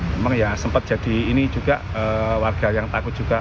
memang ya sempat jadi ini juga warga yang takut juga